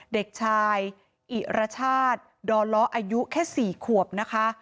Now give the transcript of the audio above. เด็กชายอิรชาติดอล้ออายุแค่๔ขวบนะคะ